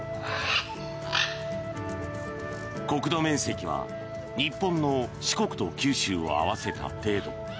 国土面積は日本の四国と九州を合わせた程度。